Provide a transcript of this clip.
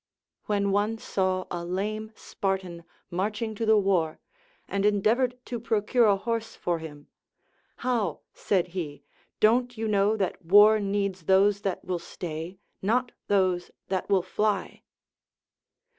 When one saw a lame Spartan maiTliing to the war, and endeavored to procure a horse for him. How, said he, don't you know that war needs those that will stay, not those that Avill fly?